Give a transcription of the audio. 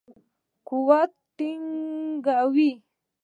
قوت ټینګاوه.